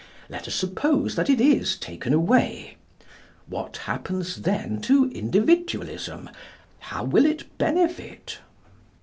Let us suppose that it is taken away. What happens then to Individualism? How will it benefit?